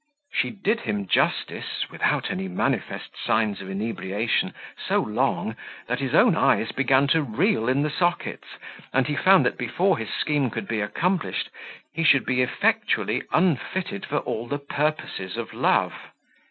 She did him justice, without any manifest signs of inebriation, so long, that his own eyes began to reel in the sockets, and he found that before his scheme could be accomplished, he should be effectually unfitted for all the purposes of love.